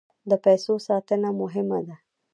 د پیسو ساتنه مهمه ده.